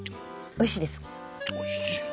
おいしいですか？